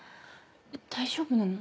大丈夫なの？